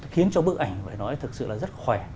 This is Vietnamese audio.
khiến cho bức ảnh phải nói thực sự là rất khỏe